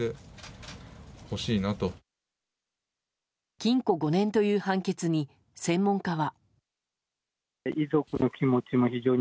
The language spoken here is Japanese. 禁錮５年という判決に専門家は。